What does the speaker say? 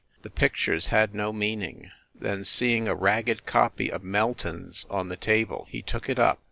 The pic tures had no meaning. Then, seeing a ragged copy of "Melton s" on the table he took it up.